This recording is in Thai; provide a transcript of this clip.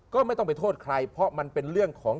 ก็ไม่ต้องไปโทษใครเพราะมันเป็นเรื่องของ